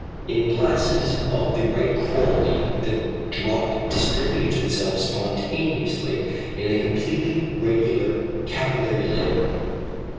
In glasses of the right quality the drop distributes itself spontaneously in a completely regular capillary layer.